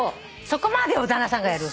そこまでを旦那さんがやる？